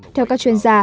theo các chuyên gia